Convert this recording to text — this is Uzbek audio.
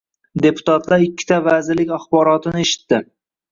Deputatlar ikkita vazirlik axborotini eshitdi